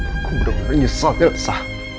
aku benar benar menyusahkan elsa